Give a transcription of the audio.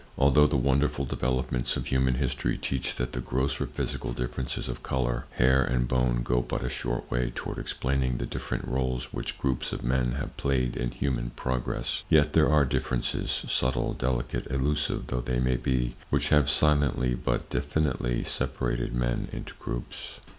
Although the wonderful developments of human history teach that the grosser physical differences of color, hair and bone go but a short way toward explaining the different roles[Pg 7] which groups of men have played in Human Progress, yet there are differences—subtle, delicate and elusive, though they may be—which have silently but definitely separated men into groups.